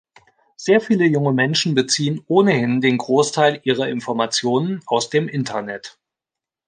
Sehr viele junge Menschen beziehen ohnehin den Großteil ihrer Informationen aus dem Internet.